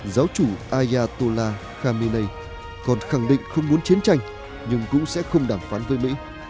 giáo chủ ayatollah khamenei còn khẳng định không muốn chiến tranh nhưng cũng sẽ không đàm phán với mỹ